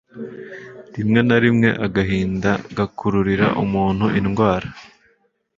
rimwe na rimwe agahinda gakururira umuntu indwara